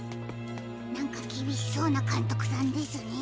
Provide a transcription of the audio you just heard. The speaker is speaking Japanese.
なんかきびしそうな監督さんですね。